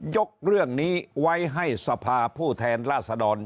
ยกเรื่องนี้ไว้ให้สภาผู้แทนราษดร